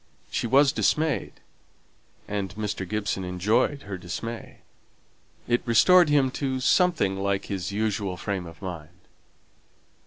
She was dismayed, and Mr. Gibson enjoyed her dismay; it restored him to something like his usual frame of mind.